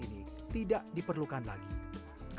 yang diperlukan untuk membuat kegiatan plastik yang terbaik